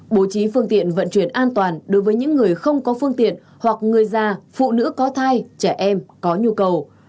bố trí phương tiện vận chuyển an toàn đối với những người không có phương tiện hoặc người già phụ nữ có thai trẻ em có nhu cầu